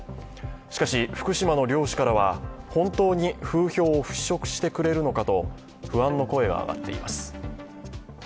しかし福島の漁師からは本当に風評を払拭してくれるのかと不安の声が上がっています。